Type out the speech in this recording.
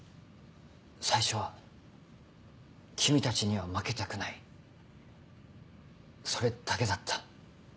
最初は君たちには負けたくないそれだけだった。